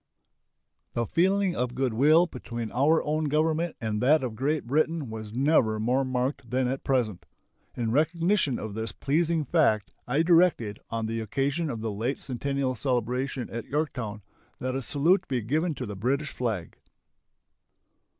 The feeling of good will between our own Government and that of Great Britain was never more marked than at present. In recognition of this pleasing fact I directed, on the occasion of the late centennial celebration at Yorktown, that a salute be given to the British flag.